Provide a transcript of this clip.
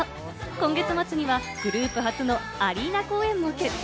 今月末にはグループ初のアリーナ公演も決定。